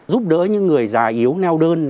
giúp đỡ những người già yếu neo đơn